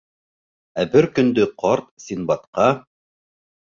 Ә бер көндө ҡарт Синдбадҡа: